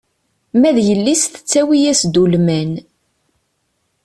Ma d yelli-s tettawi-as-d ulman.